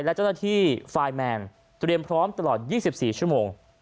และเจ้าหน้าที่ไฟล์แมนเตรียมพร้อมตลอด๒๔ชั่วโมง